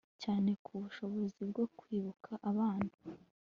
cyane ku bushobozi bwo kwibuka abana